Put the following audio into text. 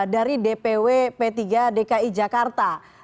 dari dpw p tiga dki jakarta